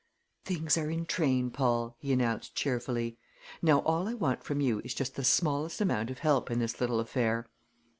"Things are in train, Paul," he announced cheerfully. "Now all I want from you is just the smallest amount of help in this little affair."